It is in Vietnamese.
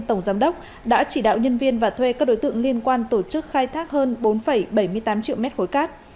tổng giám đốc đã chỉ đạo nhân viên và thuê các đối tượng liên quan tổ chức khai thác hơn bốn bảy mươi tám triệu mét khối cát